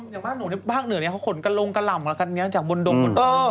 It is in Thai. อย่างบ้างหนูในภาคเหนือเขาขนกันลงกระหล่ำกันจากบนดง